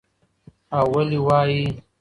او ولې وايى